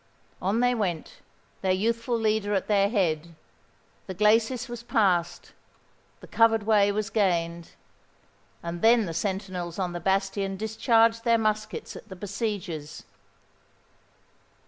On they went, their youthful leader at their head: the glacis was passed—the covered way was gained—and then the sentinels on the bastion discharged their muskets at the besiegers.